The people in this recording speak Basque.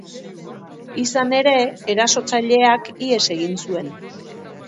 Izan ere, erasotzaileak ihes egin zuen.